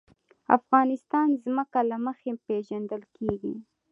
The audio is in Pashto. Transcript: افغانستان د ځمکه له مخې پېژندل کېږي.